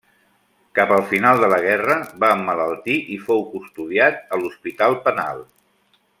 Cap al final de la guerra va emmalaltir i fou custodiat a l'hospital penal.